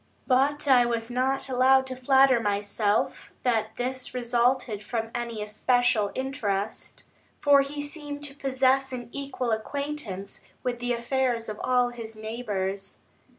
But I was not allowed to flatter myself that this resulted from any especial interest; for he seemed to possess an equal acquaintance with the affairs of all his neighbours.